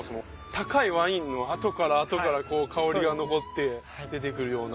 高いワインの後から後から香りがのぼって出て来るような。